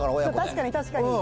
確かに確かに。